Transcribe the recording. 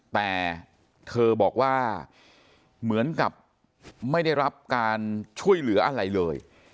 แต่เธอบอกว่าเหมือนกับไม่ได้รับการช่วยเหลืออะไรเลย